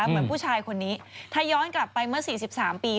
เหมือนผู้ชายคนนี้ถ้าย้อนกลับไปเมื่อ๔๓ปี